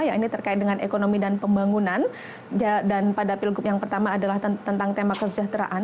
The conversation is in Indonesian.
ya ini terkait dengan ekonomi dan pembangunan dan pada pilgub yang pertama adalah tentang tema kesejahteraan